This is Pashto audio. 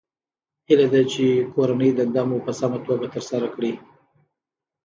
هیله ده چې کورنۍ دنده مو په سمه توګه ترسره کړئ